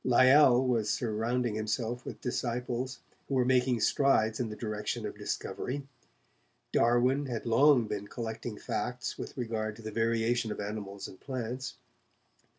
Lyell was surrounding himself with disciples, who were making strides in the direction of discovery. Darwin had long been collecting facts with regard to the variation of animals and plants.